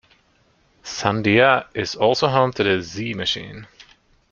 Sandia is also home to the Z Machine.